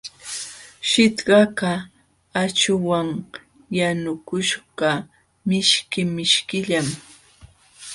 Shitqakaq akśhuwan yanukuśhqa mishki mishkillam.